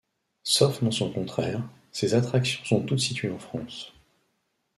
Sauf mention contraire, ces attractions sont toutes situées en France.